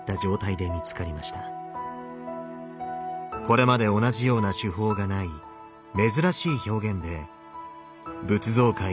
これまで同じような手法がない珍しい表現で仏像界に衝撃を与えました。